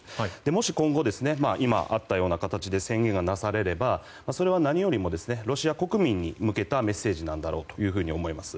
もし、今後今あったような形で宣言がなされればそれは何よりもロシア国民に向けたメッセージだろうと思います。